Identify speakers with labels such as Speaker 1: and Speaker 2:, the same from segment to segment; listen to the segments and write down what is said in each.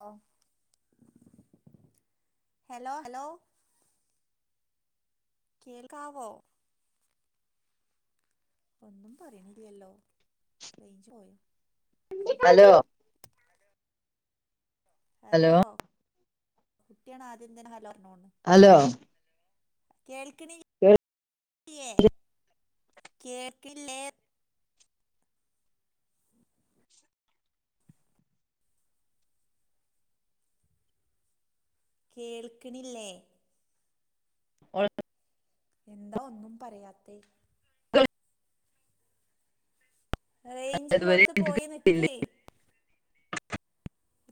Speaker 1: Hello hello കേൾക്കാവോ? ഒന്നും പറയണില്ലല്ലോ. റേഞ്ച് പോയോ.
Speaker 2: ഹലോ
Speaker 1: ഹലോ കുട്ടിയാണ് ആദ്യത്തന്നെ ഹലോ പറഞ്ഞോണ്.
Speaker 2: ഹലോ
Speaker 1: കേൾക്കണില്ലേ. കേൾക്കില്ലേ? കേൾക്ക്ണില്ലേ
Speaker 2: ഓ [unintelligible]
Speaker 1: എന്താ ഒന്നും പറയാത്തെ
Speaker 2: ഇതുവരെ
Speaker 1: റേയ്ഞ്ചിള്ളോട്ത്ത്
Speaker 2: എനിക്ക്
Speaker 1: പോയി
Speaker 2: കിട്ടിയില്ല
Speaker 1: നിക്ക്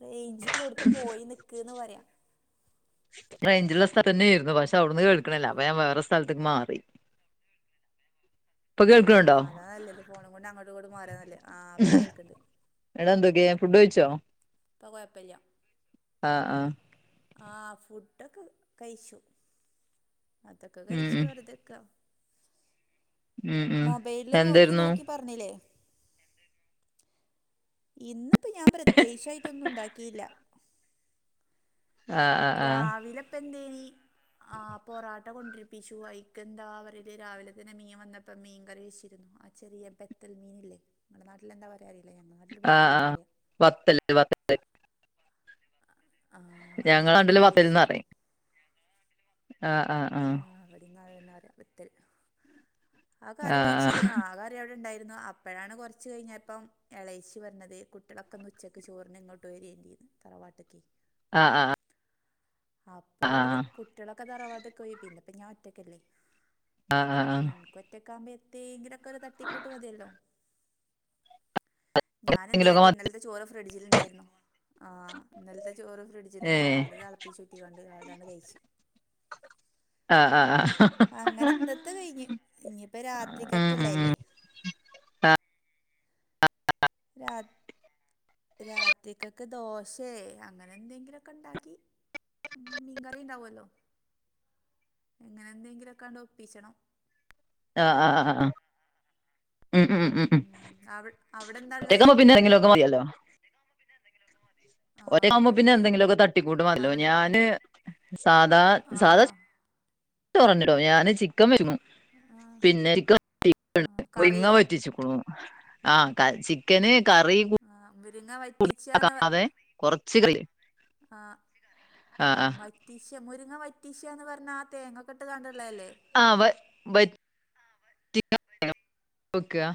Speaker 1: റേയ്ഞ്ച്ള്ളോട്ത്ത് പോയി നിക്ക്ന്ന് പറയ
Speaker 2: റെയ്ഞ്ച്ള്ള സ്ഥലന്നേയ്ര്ന്നു പക്ഷെ അവ്ട്ന്ന് കേൾക്ക്ണ്ല്ല അപ്പൊ ഞൻ വേറെ സ്ഥലത്ത്ക്ക് മാറി
Speaker 1: [inaudible]
Speaker 2: ഇപ്പൊ കേൾക്കണുണ്ടോ
Speaker 1: ആഹ് അതാ നല്ലത് ഫോണും കൊണ്ട് അങ്ങോട്ട് ഇങ്ങോട്ടും മാറാ നല്ലത് ആഹ് ഇപ്പ കേൾക്ണ്ട്
Speaker 2: എടാ എന്തൊക്കേ ഫുഡ് കഴിച്ചോ
Speaker 1: ഇപ്പ കൊയ്പ്പല്ല്യ
Speaker 2: ആഹ് ആഹ്
Speaker 1: ആഹ് ഫുഡ്ഡൊക്കെ കയ്ച്ചു അതൊക്കെ
Speaker 2: ഉം
Speaker 1: കയ്ച്
Speaker 2: ഉം
Speaker 1: വെർതെക്കാ
Speaker 2: ഉം ഉം
Speaker 1: മൊബൈലില് നോക്കി
Speaker 2: എന്തായിരുന്നു
Speaker 1: നോക്കി പറഞ്ഞിലേ എന്ത് ഇന്ന്പ്പൊ ഞാൻ പ്രത്യേകിച്ചായിട്ടൊന്നുണ്ടാക്കി ട്ടീല
Speaker 2: ആ ആ ആ
Speaker 1: രാവിലപ്പെന്തേനി ആഹ് പൊറാട്ട കൊണ്ട്രിപ്പിച്ചു അയ്കെന്താ പറല് രാവിലെ തന്നെ മീൻ വന്നപ്പം മീൻ കറി വെച്ചിര്ന്നു ചെറിയ ബെത്തൽ മീനില്ലെ ങ്ങളെ നാട്ടിലെന്താ പറയാറീല ഞങ്ങളെ നാട്ടില് ബെത്തൽന്നാ പറയാ
Speaker 2: വത്തൽ വ
Speaker 1: [inaudible] മീനോണ്ട്
Speaker 2: ഞങ്ങളാട്ടില്
Speaker 1: കറി വെച്ചിരുന്നു
Speaker 2: വത്തൽന്നറിം ആഹ് ആഹ്
Speaker 1: ഇങ്ങളതന്നെ പറയ ബത്തൽ ആ കറി വെച്ച്ര്ന്നു ആ കറിയവിടെണ്ടായിര്ന്നു അ അപ്പഴാണ് കൊർച്ച് കയിഞ്ഞപ്പം എളേച്ചി വന്നത് കുട്ട്യോളൊക്കെന്ന് ഉച്ചക്ക് ചോറ്നിങ്ങോട്ട് വരേം ചെയ്ത് തറവാട്ടിക്ക്
Speaker 2: ആഹ് ആഹ് ആഹ്
Speaker 1: അപ്പോല് കുട്ട്യോളൊക്കെ തറവാട്ട് ക്കോയി പിന്നെപ്പ ഞാൻ ഒറ്റക്കല്ലേ
Speaker 2: ആഹ് ആഹ് ആഹ്
Speaker 1: ക്കൊറ്റക്കാവുമ്പൊ എത്തേങ്കിലൊക്കൊരു തട്ടിക്കൂട്ട് മതിയല്ലോ ഞാനെന്തേ
Speaker 2: എന്തെങ്കിലുമൊക്കെ
Speaker 1: കാട്ടി
Speaker 2: മതി
Speaker 1: ഇന്നൽത്തെ ചോറ് ഫ്രിഡ്ജിലിണ്ടായിര്ന്നു ആഹ് ഇന്നൽത്തെ ചോറ് ഫ്രിഡ്
Speaker 2: ഏ
Speaker 1: ജിലിണ്ടെയ്ന് അത് തളപ്പിച്ചൂറ്റിക്കാണ്ട് നേരതാണ്ട് കയ്ച്ചു
Speaker 2: ആഹ് ആഹ് ആഹ്
Speaker 1: അങ്ങനെന്നത്ത് കയ്ഞ്ഞ് ഇഞ്ഞിപ്പെ
Speaker 2: ഉം ഉം
Speaker 1: രാത്രിക്കക്ക്ള്ളതല്ലേ
Speaker 2: ഉം
Speaker 1: രാ രാത്രിക്കക്ക് ദോശേ അങ്ങനെന്തെങ്കിലൊക്കെണ്ടാക്കി ഉം മീൻകറീണ്ടാവല്ലോ അങ്ങനെന്തെങ്കിലൊക്കാണ്ടൊപ്പിച്ചണം
Speaker 2: ആഹ് ആഹ് ആഹ് ആഹ് അഹ് ഉം ഉം ഉം ഉം തിക്കക്ക് പിന്നെന്തെങ്കിലൊക്കെ മതിയല്ലൊ
Speaker 1: [unintelligible] പിന്നെന്തെിലൊക്കെ മതിയല്ലോ
Speaker 2: ഒര് ആവുമ്പൊ പിന്നെന്തെങ്കിലൊക്കെ തട്ടിക്കൂട്ട് മതിയല്ലൊ
Speaker 1: അവിടെ
Speaker 2: ഞാന് സാധാ
Speaker 1: ആ
Speaker 2: സാധാ ചോന്നെടോ ഞാന് ചിക്കൻ വേങ്ങും
Speaker 1: ആ
Speaker 2: പിന്നെ ചി
Speaker 1: ആ
Speaker 2: പുളിങ്ങ
Speaker 1: കറിയോ
Speaker 2: വറ്റിച്ച്ക്ക്ണു ആഹ് ക ചിക്കന് കറി കു
Speaker 1: ആഹ് മുരിങ്ങ വറ്റിച്ചാന്ന് പറ
Speaker 2: കൊറച്ച് കറി
Speaker 1: ആഹ് ആഹ് വറ്റിച്ച മുരിങ്ങ വറ്റിച്ചാന്ന് പറഞ്ഞാ ആ തേങ്ങൊക്കെട്ട്ക്കാണ്ട്ള്ളതല്ലേ
Speaker 2: ആ വ വ വെക്കാ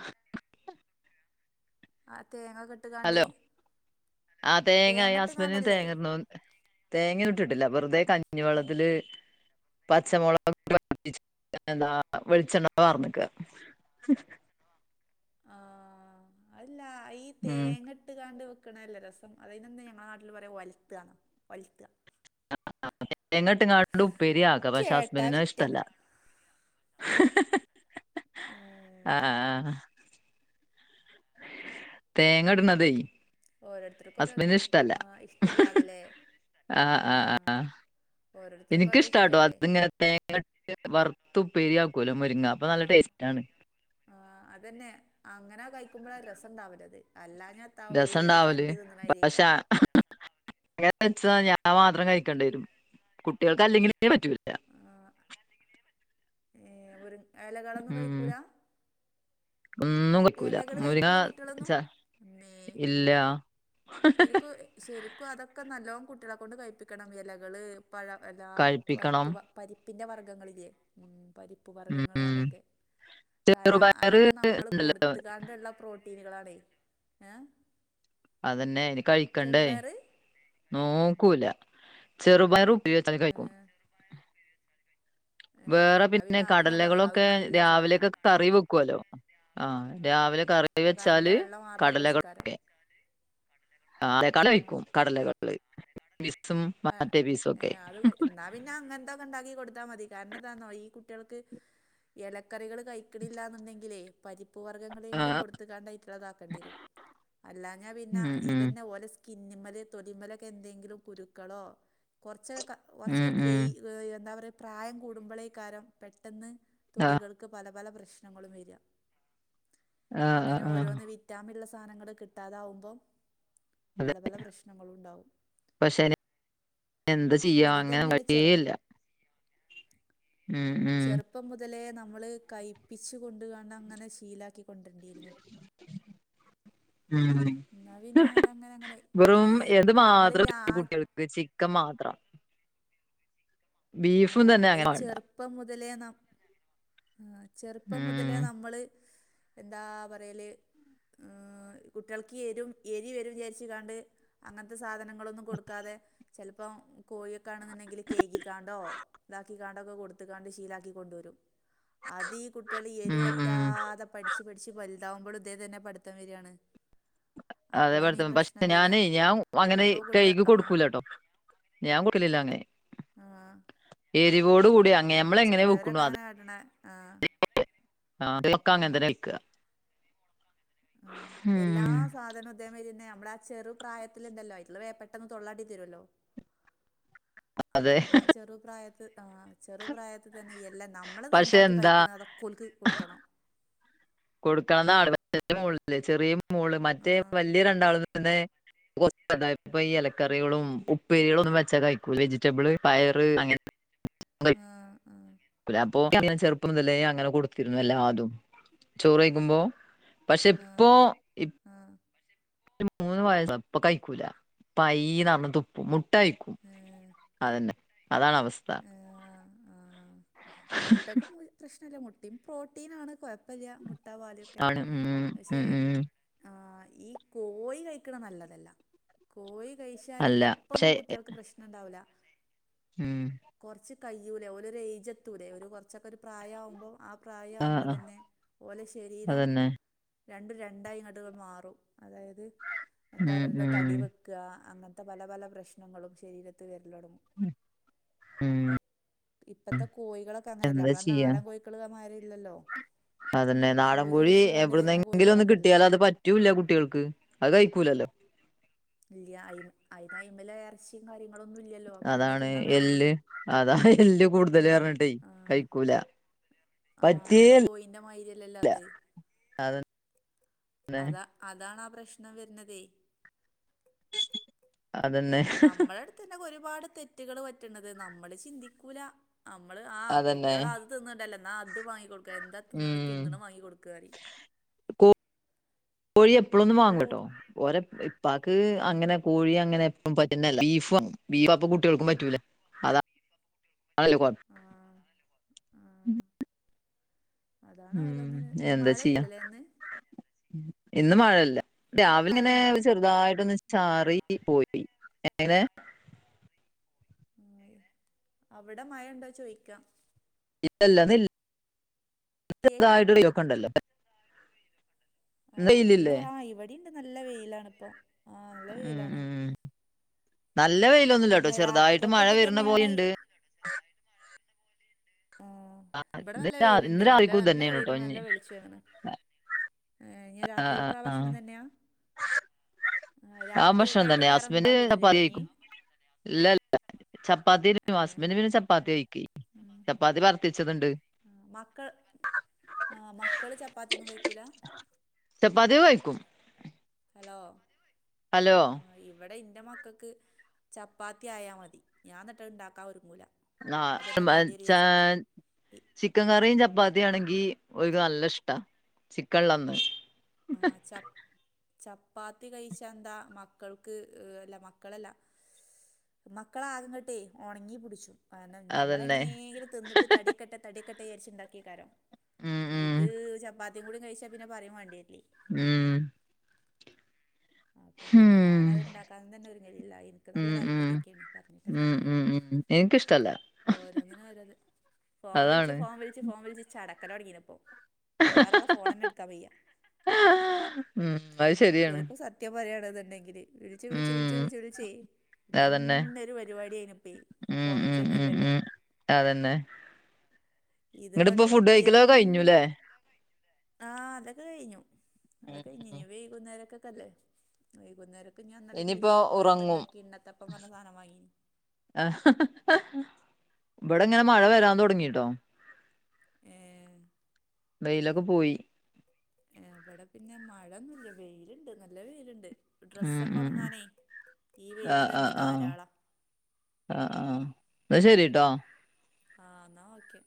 Speaker 1: ആ തേങ്ങൊക്കെട്ട്
Speaker 2: ഹലോ ആഹ് തേങ്ങ ഇ ഹസ്ബൻഡിന് തേങ്ങട്ണതൊന്നു തേങ്ങൊന്നിട്ട്ട്ടില്ല വെറ്തെ
Speaker 1: പറ്റ്
Speaker 2: കഞ്ഞിവെള്ളത്തില് പച്ചമൊളക് ന്താ വെളിച്ചെണ്ണ പാർന്ന്ക്ക
Speaker 1: ആഹ് അല്ലാ ഈ
Speaker 2: ഉം
Speaker 1: തേങ്ങട്ട് വട്ട്കാണ്ട് വെക്കണല്ലോ രസം അതിതിന എന്ത ഞങ്ങളുടെ നാട്ടിൽ പറയാം ഒ ലുത്താണോ ഒലുത്ത
Speaker 2: എങ്ങോട്ട് ഇങ്ങാട്ടു ഉ പേരിയാക്കാം. പക്ഷെ
Speaker 1: കേട്ടാ
Speaker 2: ഹസ്ബന്റിന്
Speaker 1: വിറ്റാ
Speaker 2: ഇഷ്ടല്ല.
Speaker 1: ഏ
Speaker 2: ആഹ തേങ്ങ
Speaker 1: ആ
Speaker 2: ഇടുന്നതേ
Speaker 1: ഓരോരുത്തർക്കും ഓരോതാ
Speaker 2: ഹസ്ബന്റിന് ഇഷ്ടല്ല.
Speaker 1: ആ ഇഷ്ടല്ലാന്നല്ലേ
Speaker 2: ആഹ്
Speaker 1: ആ
Speaker 2: ആഹ് ആഹ്
Speaker 1: ഓരോരുത്തർക്കും ഓരോ
Speaker 2: എനിക്കിഷ്ട കേട്ടോ.
Speaker 1: ഇഷ്ടല്ലേ
Speaker 2: അതിങ്ങനെ തേങ്ങ വറുത്ത ഉപ്പേരിയാക്കലോ മുരിങ്ങ അപ്പൊ
Speaker 1: ആഹ്
Speaker 2: നല്ല
Speaker 1: അരപ്പ്
Speaker 2: ടേസ്റ്റ്. ടങ്ങ്
Speaker 1: ആ അതന്നെ. അങ്ങനാ കഴിക്കുമ്പോഴാ രസം ഉണ്ടാവില്ലത് അല്ലാ ഞ
Speaker 2: രസംണ്ടാവല്. പ പക്ഷെ ആ അങ്ങന വെച്ച ഞാൻ മാത്രം കഴിക്കണ്ടിരും. കുട്ടികൾക്ക് അല്ലെങ്കിലെ പറ്റൂല്ല.
Speaker 1: ആ ഏ ഒരു ഇലകളൊന്നും
Speaker 2: ഉം
Speaker 1: കഴിക്കൂല.
Speaker 2: ഒന്നും കഴിക്കൂല.
Speaker 1: ഇലകൾ
Speaker 2: മുരിങ്ങ
Speaker 1: കഴിക്കൂല
Speaker 2: ച്ച
Speaker 1: കുട്ടികളൊന്നും അമ്മേ
Speaker 2: ഇല്ല.
Speaker 1: ശരിക്കും ശരിക്കും അതൊക്കെ നല്ലോണം കുട്ടികളെ കൊണ്ട് കഴിപ്പിക്കണം. ഇലകള് പഴ എല്ലാ
Speaker 2: കഴിപ്പിക്കണം
Speaker 1: പരിപ്പ് പരിപ്പിന്റെ വർഗ്ഗങ്ങളിലേ ഉം. പരിപ്പ് പ്പ വർഗങ്ങൾ
Speaker 2: ഉം
Speaker 1: അതൊക്കെ. കാരണം
Speaker 2: ചെറുപയറ്
Speaker 1: അതൊക്കെ നമ്മൾ കൊടു
Speaker 2: ഉണ്ടല്ലോ
Speaker 1: ത്തക്കാണ്ടുള്ള പ്രോട്ടീനുകളാണേ. ഏ
Speaker 2: അതെന്നെ. ഇനി കഴിക്കണ്ടേ.
Speaker 1: ചെറുപയറ്
Speaker 2: നോക്കൂല്ല. ചെറുപയറും [unintelligible] ച്ചാല് കഴിക്കും'
Speaker 1: ഏഹ് ഏഹ്
Speaker 2: വേറെ
Speaker 1: എന്നാ
Speaker 2: പിന്നെ
Speaker 1: അത് നല്ലോം കഴിക്കും അതും
Speaker 2: കടലകളൊക്കെ
Speaker 1: നല്ല സാധനാ
Speaker 2: രാവിലെയൊക്കെ കറി വെക്കുല്ലോ? ആഹ്‌ രാവിലെ കറി കറി
Speaker 1: ആ കറിന്റെ
Speaker 2: വെച്ചാല്
Speaker 1: വെള്ള മാത്രം കുഴിച്ചിക്കാരം
Speaker 2: കടലകളക്കെ.
Speaker 1: ആഹ്
Speaker 2: കഴിക്കും കടലകളക്ക. ഫീസും
Speaker 1: ഏഹ്
Speaker 2: മറ്റേ പീസും ഒക്കെ
Speaker 1: ഏഹ് അത് എന്നാ പിന്നെ അങ്ങനത്തെക്കെ ഉണ്ടാക്കി കൊടുത്താൽ മതി. കാരണം എന്താണോ ഈ കുട്ടികൾക്ക് ഇലക്കറികൾ കഴക്കണില്ല എന്നുണ്ടെങ്കിലേ പരിപ്പുവ
Speaker 2: ആ
Speaker 1: വർഗ്ഗങ്ങളെങ്കിലും കൊടുത്ത കാണ്ടായിട്ടുള്ളതാക്കേണ്ടി വരും. അല്ലാ ഞാൻ പിന്നെ
Speaker 2: ഉം ഉം
Speaker 1: ഇതന്നെ ഒരു സ്കിന്നിമല തൊലിമലക്കെ എന്തെങ്കിലും കുരുക്കളോ കുറച്ച് കുറച്ച്
Speaker 2: ഉം
Speaker 1: എ
Speaker 2: ഉം
Speaker 1: എന്താ പറയുക പ്രായം കൂടുമ്പോളേ കാരം പെട്ടെന്ന്
Speaker 2: ആ
Speaker 1: തൊലികൾക്ക് പല പല പ്രശ്നം ങ്ങള വരിക.
Speaker 2: ആ ആ
Speaker 1: ഇങ്ങനെ
Speaker 2: ആ
Speaker 1: ഓരോന്ന് വി വിറ്റാമുള്ള സാധനങ്ങൾ കിട്ടാതാവുമ്പം
Speaker 2: അതെ
Speaker 1: പല പല പ്രശ്നങ്ങളും ഉണ്ടാവും.
Speaker 2: പക്ഷെ എന്ത്
Speaker 1: പക്ഷെ
Speaker 2: ചെയ്യാം
Speaker 1: ഇത്
Speaker 2: അങ്ങനെ
Speaker 1: തന്നെയാണ് ചെറു
Speaker 2: വഴിയല്ല ഉം ഉം
Speaker 1: പ്പം മുതലേ നമ്മൾ കഴപ്പിച്ച് കൊണ്ടുകണ്ട് അങ്ങനെ ശീലാക്കി കൊണ്ടിരണ്ടിയിരുന്നു.
Speaker 2: ഉം
Speaker 1: എന്നാ പിന്നെ അതങ്ങനെ അങ്ങനെ
Speaker 2: വെറും
Speaker 1: ഈ
Speaker 2: എത് മാത്ര
Speaker 1: നമ്മളിൽ ആ
Speaker 2: കുട്ടികൾക്ക് ചിക്കൻ മാത്രം. ബീഫും തന്നെ, അങ്ങനെ വാണ്ട
Speaker 1: പ്പം മുതലേ നം. ചെറുപ്പം മുതലേ
Speaker 2: ഉം
Speaker 1: നമ്മള്. എന്താ, പറയല്. ആഹ് കുട്ട്യൾക്ക് എരു എരി വരും വിചാരിച്ചിങ്ങാണ്ട്. അങ്ങെൻത്തെ സാധനം ങ്ങളൊന്നും കൊടുക്കാതെ ചെൽപ്പം കോഴിയൊക്കാണെന്നുണ്ടെങ്കിൽ, കേയികാണ്ടോ. താക്കിക്കാണ്ടൊക്കെ കൊടുത്ത്കാണ്ട്. ശീലാക്കി കൊണ്ടൊരും. അത് ഈ കുട്ട്യള്
Speaker 2: ഉം ഉം
Speaker 1: എരുവറ്റാതെ പഠിച്ച്, പഠിച്ച്, വലുതാവുമ്പളും ഇതെ തെന്നെ, പഠിത്തം വെരാണ്.
Speaker 2: അതെ പോൽത്തെ, പക്ഷെ
Speaker 1: വരിക
Speaker 2: ഞാനെ, ഞാ, അങ്ങനെ
Speaker 1: അപ്പോൾ കുട്ടികൾ
Speaker 2: കയ്കി
Speaker 1: ആ
Speaker 2: കൊടുക്കൂലട്ടോ. ഞാ കൂട്ടലില്ലാങ്ങനെ
Speaker 1: ആ
Speaker 2: എരിവോട് കൂടി അങ്ങെ, മ്മള് എങ്ങനെ വെക്ക്ണു അത്.
Speaker 1: ണ ആഹ്.
Speaker 2: ആ [inaudible] അങ്ങ തന്നനിൽക്ക
Speaker 1: ആഹ്, എല്ലാ സാധനം. തേ, മയ്രിയെന്നെ നമ്മുളാ ചെറു പ്രായത്തിലുണ്ടല്ലോ, ന്ന് വേ പെട്ടെന്ന് തൊള്ളാട്ടി തരുവല്ലോ.
Speaker 2: അതെ
Speaker 1: ആഹ്, ചെറുപ്രായത്ത് ആഹ്, ചെറുപ്രായത്ത് തന്നെ എല്ലാ
Speaker 2: പക്ഷെ
Speaker 1: നമ്മള്തന്താത്
Speaker 2: എന്താ
Speaker 1: കഴിക്ക്ണ് അതൊ ഓൽക്ക് കൊട്ക്കെണം.
Speaker 2: കൊടുക്കെണം ന്നാള് [unintelligible] ചെറിയെ മോള് മറ്റേ,
Speaker 1: ആഹ്
Speaker 2: വല്യ രണ്ടാള് ന്ന്. [unintelligible] ഇപ്പയീ എലക്കറികളും, ഉപ്പേരികളൊന്നും വെച്ചാ കയ്ക്കൂല. വെജിറ്റബിള് പയറ് അങ്ങൻ
Speaker 1: ആഹ് ആഹ്
Speaker 2: അപ്പൊ [inaudible] ചെറുപ്പം മുതലെ അങ്ങനെ കൊടുത്തിരുന്ന അല്ല അതും ചോറ്ഴിക്കുമ്പോ-
Speaker 1: ആഹ് ആഹ്
Speaker 2: ഒരു മൂന്ന് വയസപ്പ കഴിക്കൂല പൈന്ന് പറഞ്ഞ് തുപ്പു മുട്ടയ്ക്കും
Speaker 1: ഏഹ്
Speaker 2: അതന്നെ അതാണ് അവസ്ഥ
Speaker 1: മുട്ടയ്ക്ക് [unintelligible] പ്രശ്നുല്ല മുട്ടയിൽ പ്രോട്ടീനാണ് കൊയ് പ്പല്ല മുട്ടാ പാലൊക്കെ
Speaker 2: ആണ് ഉം
Speaker 1: പക്ഷെ
Speaker 2: ഉം ഉം
Speaker 1: ആ ഈ കോഴി കഴിക്കണ നല്ലതല്ല കോഴി കഴിച്ചാല്
Speaker 2: അല്ല
Speaker 1: ഇപ്പൊന്നും
Speaker 2: പക്ഷെ
Speaker 1: കുട്ടികൾക്ക് പ്രശ്നുണ്ടാകൂല
Speaker 2: ഉം
Speaker 1: കുറച്ച് കയ്യൂലെ ഓര ഒരു ഏജത്തൂലെ ഒരു കുറച്ചൊക്കെ ഒരു പ്രായംമാവുമ്പോൾ ആ
Speaker 2: ആഹ്
Speaker 1: പ്രായവുമ്പോ
Speaker 2: ആഹ്
Speaker 1: തന്നെ ഓലെ ശരീരം-
Speaker 2: അതന്നെ
Speaker 1: രണ്ടും രണ്ടായിങ്ങദിങ്ങാട് മാറും അതായത് എന്താ
Speaker 2: ഉം
Speaker 1: പറയ
Speaker 2: ഉം
Speaker 1: തടി വെക്കു ക അങ്ങനത്തെ പല പല പ്രശ്നങ്ങളും ശരീരത്ത് വേറലൊടുങ്ങും
Speaker 2: ഉം
Speaker 1: ഇപ്പത്തെ കോഴികളൊക്കെ അങ്ങനെയല്ല
Speaker 2: എന്താ
Speaker 1: നമ്മള
Speaker 2: ചെയ്യാ
Speaker 1: നാടൻ കോഴക്കള്മാരി ഇല്ലല്ലോ
Speaker 2: അതന്നെ
Speaker 1: സൂചി
Speaker 2: നാടൻകഴി
Speaker 1: വെച്ചുകാണ്ട് വരുന്ന
Speaker 2: എവിടുന്നെങ്കിലും ഒന്ന്
Speaker 1: കോഴിക്കളൊക്കെ അല്ലേ
Speaker 2: കിട്ടിയാലോ അത് പറ്റ- പറ്റൂല്ല കുട്ടികൾക്ക് അത് കഴിക്കൂലല്ലോ?
Speaker 1: ഇല്ല [unintelligible] കാര്യങ്ങളൊന്നും ഇല്ലല്ലോ അപ്പൊ പിന്നെ
Speaker 2: അതാണ്
Speaker 1: തിന്നാൻ കഴിയൂലേ
Speaker 2: എല്ല് അതാ എല്ല് കൂടുതല്
Speaker 1: ആ
Speaker 2: പറഞ്ഞിട്ടെ കൈ- കുല
Speaker 1: ആഹ ഈ കോയിന്റെ മായിരിഅല്ലല്ലോ അത് അതാ
Speaker 2: [unintelligible]
Speaker 1: അതാണ് ആ പ്രശ്നം വരുന്നതേ
Speaker 2: അതന്നെ
Speaker 1: നമ്മള അടുത്തന്നെ ഒരുപാട് തെറ്റുകൾ പറ്റണത് നമ്മള് ചിന്തിക്കൂല- നമ്മള് ആഹ്
Speaker 2: അതന്നെ
Speaker 1: കുട്ടികൾ അത് തിന്നണ്ടല്ലേ, ന്നാ അത് വാങ്ങി കൊടുക്ക എന്താ തിന്ന
Speaker 2: ഉം
Speaker 1: തിന്നണ വാങ്ങി കൊടുക്കന്ന് പറിം
Speaker 2: കോഴി എപ്പോഴൊന്നും വാങ്ങൂല ട്ടോ,
Speaker 1: ഫ്രൂട്ട്
Speaker 2: ഓരെ ഇപ്പാക്ക്
Speaker 1: ആ
Speaker 2: അങ്ങനെ കോഴി അങ്ങനെ പറ്റെന്നെല്ല. ബീഫ ബീഫ് അപ്പ കുട്ടികൾക്കും പറ്റൂലേ അതാണ് [unintelligible]
Speaker 1: ആ ആ അതാണ്
Speaker 2: ഉം
Speaker 1: ഓരോന്നിന്
Speaker 2: എന്താ ചെയ്യാ
Speaker 1: മഴയില്ലല്ലേ ഇന്ന്
Speaker 2: ഇന്ന് മഴല്ല
Speaker 1: അവിടെ
Speaker 2: രാവിലെ ഇങ്ങനെ
Speaker 1: മഴയുണ്ടോ
Speaker 2: ചെറുതായിട്ടൊന്ന്
Speaker 1: ആ
Speaker 2: ചാറി പോയി എങ്ങനെ?
Speaker 1: അവിടെ മഴുണ്ടോ ചൊയ്ക്കാ
Speaker 2: ഇല്ലല്ല, അതില്ല
Speaker 1: കേക്ക്
Speaker 2: [unintelligible]
Speaker 1: ആഹ് ഇന്ന്
Speaker 2: വെയിലില്ലേ
Speaker 1: ആ ഇവിടിണ്ട് നല്ല വെയിലാണ് ഇപ്പൊ
Speaker 2: ഉം, ഉം നല്ല വെയിലൊന്നുല്ലട്ടോ
Speaker 1: പിന്നെ
Speaker 2: ചെറുതായിട്ട്
Speaker 1: രാത്രിക്കൊക്കെ
Speaker 2: മഴ
Speaker 1: ഇത്
Speaker 2: വരുന്ന
Speaker 1: തന്നെയാണ്
Speaker 2: പോലുണ്ട്.
Speaker 1: ആഹ്, ഇവിടെ
Speaker 2: ഇന്ന്
Speaker 1: നല്ല
Speaker 2: രാ-
Speaker 1: വെയിലുണ്ട്
Speaker 2: ഇന്ന്
Speaker 1: നല്ല
Speaker 2: രാവിലേക്കും ഇത്
Speaker 1: നല്ല
Speaker 2: തന്നെയാണ്
Speaker 1: വെയിൽ
Speaker 2: കേട്ടോ
Speaker 1: നല്ല
Speaker 2: ഇനി
Speaker 1: വെളിച്ച ഉച്ചാണ്, ഇഞ് രാത്രിക്കക്കെ ആ ഭക്ഷണം തന്നെയാ?
Speaker 2: ആഹ് ഭഷ്ണം
Speaker 1: രാത്രികൾക്കായിട്ട്
Speaker 2: തന്നെയാ
Speaker 1: വേറെ ഒന്നും
Speaker 2: ഹസ്ബൻഡ്
Speaker 1: ഉണ്ടാക്കൊന്നുംല്ലല്ലേ
Speaker 2: ചപ്പാത്തി
Speaker 1: ഇനി
Speaker 2: കഴിക്കും ചപ്പാത്തി
Speaker 1: ഏ
Speaker 2: ഹസ്ബന്റ് പിന്നെ ചപ്പാത്തി കയിക്ക, ചപ്പാത്തി പരത്തിവെച്ചതുണ്ട്
Speaker 1: മക്കൾ ആഹ് മക്കള് ചപ്പാത്തി ഒന്നും കഴിക്കൂല?
Speaker 2: ചപ്പാത്തി കഴിക്കും
Speaker 1: ഹലോ
Speaker 2: ഹലോ
Speaker 1: ആ ഇവിടെ ഇന്റെ മക്കൾക്ക് ചപ്പാത്തി ആയാ മതി ഞാൻ എന്നിട്ട് അത് ഇണ്ടാക്കാൻ ഒരുങ്ങൂല
Speaker 2: ആഹ്,
Speaker 1: അതന്നെ വാണ്ടിവരും
Speaker 2: മച്ച
Speaker 1: വിചാരിച്ചാണ്ടേ
Speaker 2: [unintelligible] ചിക്കൻ കറിയും ചപ്പാത്തി ആണെങ്കി ഓല്ക് നല്ല ഇഷ്ടാ ചിക്കൻള്ളന്ന്
Speaker 1: ആഹ് ചപ്പ ചപ്പാത്തി കഴിച്ചാ എന്താ? മക്കൾക്ക് അല്ല, മക്കളല്ല. മക്കളാകങ്ങട്ടേയ് ഒണങ്ങി പുട്ച്ചും കാരണം,
Speaker 2: അതന്നെ
Speaker 1: നമ്മളെങ്ങനേലും തിന്നിട്ട് തടിക്കെട്ടെ, തടിക്കെട്ടെ ജാരിച്ച് ണ്ടാക്കെയ്ക്കാരം.
Speaker 2: ഉം ഉം
Speaker 1: ഇത് ചപ്പാത്തിയും കൂടി കഴിച്ചാ പിന്നെ പറ്യും വാണ്ട്യേര്ലേയ്
Speaker 2: ഉം.
Speaker 1: അപ്പ
Speaker 2: ഉം
Speaker 1: പിന്നെ ഞാനത്ണ്ടാക്കാൻ തെന്നെ ഒരുങ്ങലില്ലാ. എൻക്ക് നല്ല
Speaker 2: ഉം
Speaker 1: താല്പര്യക്കെണ് പറഞ്ഞിട്ടെ
Speaker 2: ഉം ഉം ഉം എ
Speaker 1: ഓരോന്നിന് ഓരോത്. ഫോം വിളിച്ച്
Speaker 2: അതാണ്
Speaker 1: ഫോം വിൾ ഫോൺ വിളിച്ചിച്ച് ചടക്കലോടങ്ങിയി ഇപ്പോ ഇപ്പൊ വേറെ ഉള്ള ഫോൺ തന്നെ എടുക്കാൻ വയ്യാ
Speaker 2: ഉം അയ് ശരിയാണ്
Speaker 1: ഇപ്പൊ സത്യം പറയയാണത് ഉണ്ടെങ്കില് വിളിച്ച് വിളിച്ച് വിളിച്ച്
Speaker 2: ഉം
Speaker 1: വിളിച്ച് വിളിച്ചേ
Speaker 2: അതന്നെ
Speaker 1: ഇതന്നെ ഒരു പരിപാടിയിന് ഇപ്പൈയ്
Speaker 2: ഉം ഉം
Speaker 1: കൊറച്ചൊന്നും
Speaker 2: ഉം
Speaker 1: അല്ലല്ലോ
Speaker 2: ഉം അതന്നെ
Speaker 1: ഇത്പ്പെ
Speaker 2: ഇങ്ങട്ടിപ്പോ ഫുഡ്
Speaker 1: എ
Speaker 2: കഴിക്കലൊക്കെ കഴിഞ്ഞുല്ലേ
Speaker 1: ആഹ് അതൊക്കെ കഴിഞ്ഞു അത്
Speaker 2: ഉം
Speaker 1: കഴിഞ്
Speaker 2: ഉം
Speaker 1: ഇഞ്ഞ് വൈകുന്നേരക്കക്കെല്ലേ വൈകുന്നേരം അപ്പം ഞാൻ ഇന്നലെ
Speaker 2: ഇനിയിപ്പോ
Speaker 1: കീശേരി പോയപ്പോ
Speaker 2: ഉറങ്ങും
Speaker 1: എന്താക്കി കിണ്ണത്തപ്പം പറഞ്ഞ സാധനം വാങ്ങി
Speaker 2: ഇവിടെ ഇങ്ങനെ മഴ വരാൻ തുടങ്ങിട്ടോ
Speaker 1: ഏഹ്
Speaker 2: വെയിലൊക്ക പോയി
Speaker 1: ഇവിടെ പിന്നെ മഴഒന്നും മില്ല വെയിലുണ്ട് നല്ല വെയിലുണ്ട്
Speaker 2: ഉം
Speaker 1: ഡ്രസ്സൊക്കെ
Speaker 2: ഉം
Speaker 1: ഉണങ്ങാനെയ് ഈ വെയില്
Speaker 2: ആഹ്
Speaker 1: തന്നെ
Speaker 2: ആഹ് ആഹ്
Speaker 1: ധാരാളം
Speaker 2: ആഹ് ആഹ് ഇന്നാ ശരിട്ടോ
Speaker 1: ആഹ് ഇന്നാ ഓക്കെ